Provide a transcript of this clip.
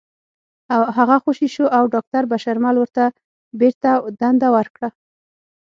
هغه خوشې شو او داکتر بشرمل ورته بېرته دنده ورکړه